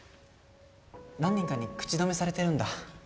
何人かに口止めされてるんだ。